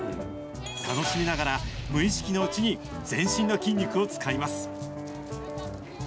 楽しみながら、無意識のうちに全身の筋肉を使います。